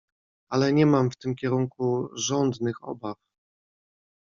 "Ale nie mam w tym kierunku żądnych obaw."